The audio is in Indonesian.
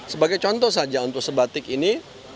sebagai contoh saja untuk sebatik ini